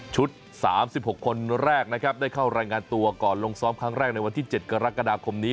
๓๖คนแรกนะครับได้เข้ารายงานตัวก่อนลงซ้อมครั้งแรกในวันที่๗กรกฎาคมนี้